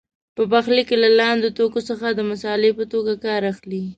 په پخلي کې له لاندې توکو څخه د مسالې په توګه کار اخلي.